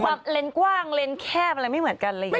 เลนส์กว้างเลนสแคบอะไรไม่เหมือนกันอะไรอย่างนี้